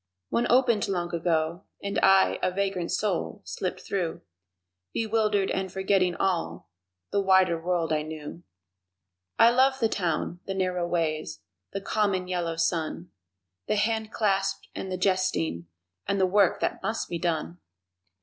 One opened long ago, and I A vagrant soul, slipped through, Bewildered and forgetting all The wider world I knew. I love the Town, the narrow ways, The common, yellow sun, The handclasp and the jesting and The work that must be done!